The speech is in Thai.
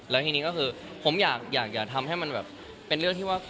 แล้วทีนี้ก็คือผมอยากทำให้มันแบบเป็นเรื่องที่ว่า